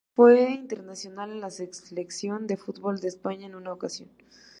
Fue internacional con la Selección de fútbol de España en una ocasión.